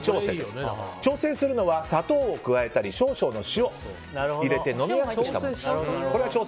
調整するのは砂糖を加えたり少々の塩を入れて飲みやすくしたもの。